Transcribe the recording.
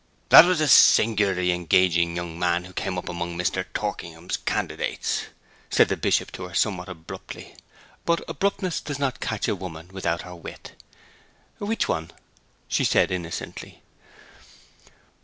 'That was a singularly engaging young man who came up among Mr. Torkingham's candidates,' said the Bishop to her somewhat abruptly. But abruptness does not catch a woman without her wit. 'Which one?' she said innocently.